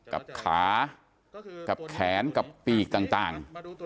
กับขากับแขนกับปีกต่าง